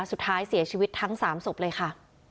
สุดท้ายเสียชีวิตทั้ง๓ศพเลยค่ะ